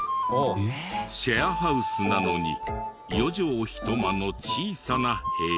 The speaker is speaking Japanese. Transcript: シェアハウスなのに４畳１間の小さな部屋。